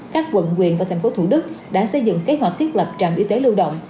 các quận huyện và thành phố thủ đức đã xây dựng kế hoạch thiết lập trạm y tế lưu động